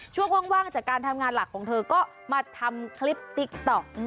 ว่างจากการทำงานหลักของเธอก็มาทำคลิปติ๊กต๊อก